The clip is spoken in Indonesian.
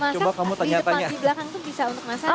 kalau masak di belakang itu bisa untuk masak